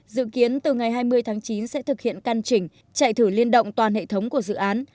dự kiến từ ngày hai mươi tháng chín sẽ thực hiện căn chỉnh chạy thử liên động toàn hệ thống của dự án